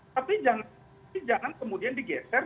tapi jangan kemudian digeser